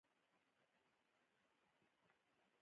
وسله امید وژنه ده